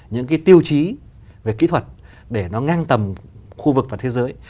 những cái tiêu chí về kỹ thuật để nó ngang tầm khu vực và thế giới